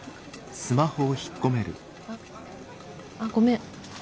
あごめん。